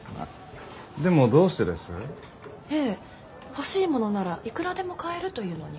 欲しいものならいくらでも買えるというのに。